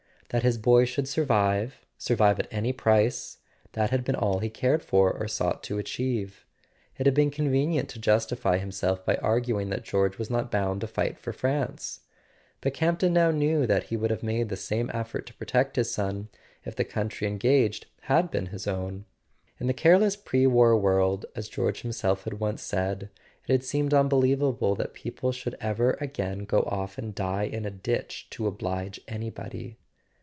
That his boy should survive—survive at any price—that had been all he cared for or sought to achieve. It had been convenient to justify himself by arguing that George was not bound to fight for France; but Camp ton now knew that he would have made the same effort to protect his son if the country engaged had been his own. In the careless pre war world, as George himself had once said, it had seemed unbelievable that people should ever again go off and die in a ditch to oblige anybody.